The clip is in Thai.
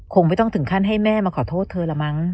คงไม่ต้องถึงขั้นให้แม่มาขอโทษเธอละมั้ง